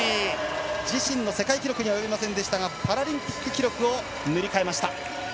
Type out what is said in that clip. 自身の世界記録には及びませんでしたがパラリンピック記録を塗り替えました。